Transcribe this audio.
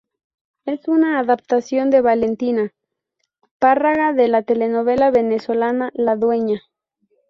Es una adaptación de Valentina Párraga de la telenovela venezolana "La dueña".